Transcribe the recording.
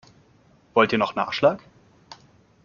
Wollt ihr noch Nachschlag?